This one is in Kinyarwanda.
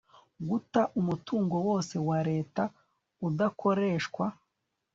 guta umutungo wose wa leta udakoreshwa